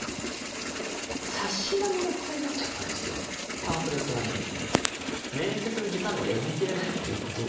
パンフレット並みに。